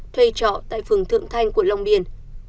thuê trọ tại phường thượng thanh quận long biên